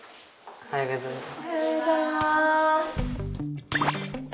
おはようございます。